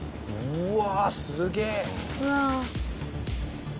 うわ！